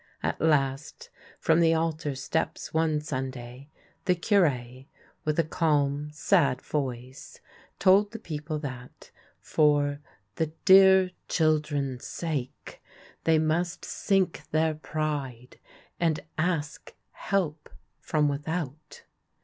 At last, from the altar steps one Sunday, the Cure, with a calm, sad voice, told the people that, for " the dear children's sake," they must sink their pride and ask help from without.